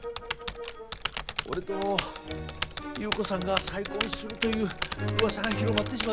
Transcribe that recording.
俺と優子さんが再婚するといううわさが広まってしまって。